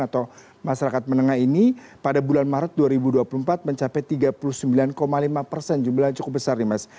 atau masyarakat menengah ini pada bulan maret dua ribu dua puluh empat mencapai tiga puluh sembilan lima persen jumlahnya cukup besar nih mas